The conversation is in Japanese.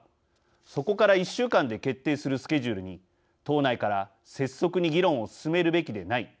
そこから１週間で決定するスケジュールに、党内から拙速に議論を進めるべきでない。